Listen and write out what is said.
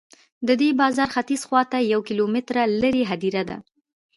د دې بازار ختیځ خواته یو کیلومتر لرې هدیره ده.